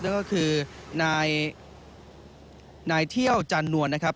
นั่นก็คือนายเที่ยวจันนวลนะครับ